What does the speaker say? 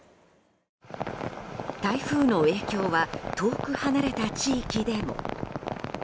台風の影響は遠く離れた地域でも。